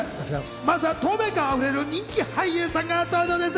まずは透明感あふれる人気俳優さんが登場です。